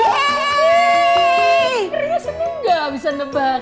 keren seneng nggak bisa nebak